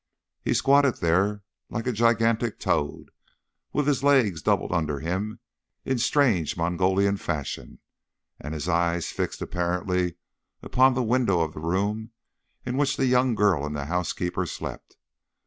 He squatted there like a gigantic toad, with his legs doubled under him in strange Mongolian fashion, and his eyes fixed apparently upon the window of the room in which the young girl and the housekeeper slept.